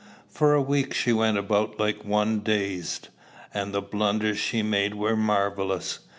For a week she went about like one dazed; and the blunders she made were marvellous.